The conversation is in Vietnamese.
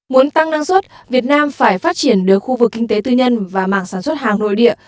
muốn tăng năng suất việt nam phải phát triển được khu vực kinh tế tư nhân và mảng sản xuất hàng nội địa